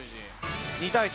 ２対１。